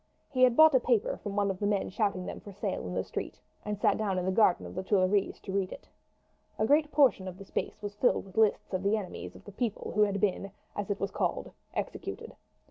He had bought a paper from one of the men shouting them for sale in the street, and sat down in the garden of the Tuileries to read it. A great portion of the space was filled with lists of the enemies of the people who had been, as it was called, executed.